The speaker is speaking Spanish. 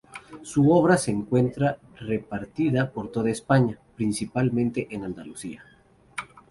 Su obra se encuentra repartida por toda España, principalmente en Andalucía.